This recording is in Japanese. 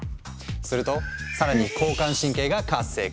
すると更に交感神経が活性化。